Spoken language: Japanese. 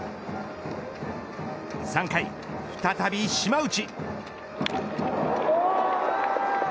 ３回、再び島内。